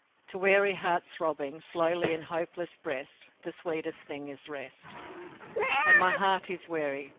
To weary hearts throbbing slowly in hopeless breasts the sweetest thing is rest. And my heart is weary.